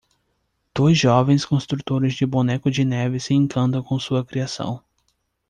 Dois jovens construtores de Boneco de Neve se encantam com sua criação.